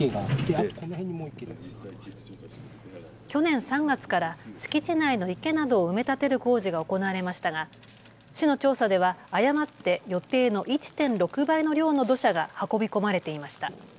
去年３月から敷地内の池などを埋め立てる工事が行われましたが市の調査では誤って予定の１．６倍の量の土砂が運び込まれていました。